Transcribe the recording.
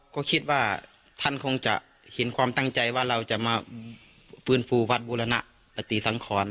ก็คิดว่าท่านคงจะเห็นความตั้งใจว่าเราจะมาฟื้นฟูวัดบูรณปฏิสังขร